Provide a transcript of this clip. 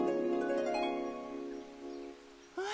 うわ！